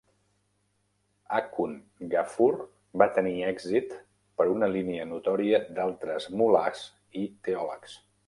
Akhund Ghaffur va tenir èxit per una línia notòria d'altres "mullahs" i teòlegs.